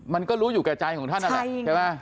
มันก็รู้อยู่แก่ใจของท่านนั่นแหละใช่ไหม